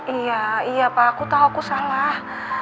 iya iya pak aku tahu aku salah